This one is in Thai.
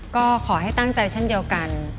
ก็ขอให้ตั้งใจเช่นเดียวกัน